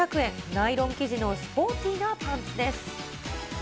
ナイロン生地のスポーティーなパンツです。